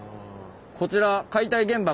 こちら解体現場